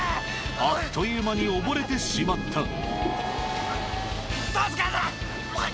あっという間に溺れてしまった助けて！がはっ！